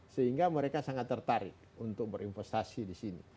sehingga mereka sangat tertarik untuk berinvestasi di sini